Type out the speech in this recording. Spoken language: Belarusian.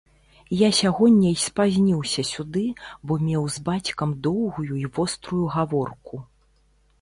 Я сягоння і спазніўся сюды, бо меў з бацькам доўгую і вострую гаворку.